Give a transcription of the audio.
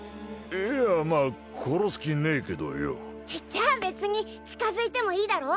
いやまあ殺す気ねえけどよじゃあ別に近づいてもいいだろ？